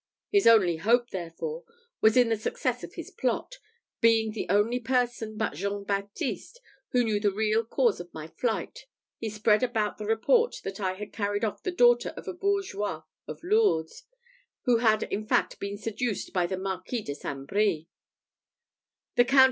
His only hope, therefore, was in the success of his plot. Being the only person but Jean Baptiste who knew the real cause of my flight, he spread about the report that I had carried off the daughter of a bourgeois of Lourdes, who had, in fact, been seduced by the Marquis de St. Brie.